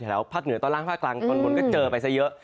ภาคเหนือตอนล่างภาคกลางตอนบนก็เจอไปซะเยอะ